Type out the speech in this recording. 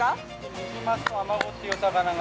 ◆ニジマスとアマゴという魚が。